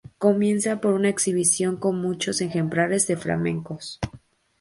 Comienza por una exhibición con muchos ejemplares de flamencos.